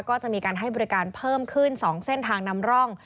ก็จะมีการให้บริการเพิ่มขึ้น๒เส้นทางนำร่อง